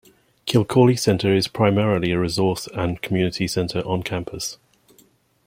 Kilcawley Center is primarily a resource and community center on campus.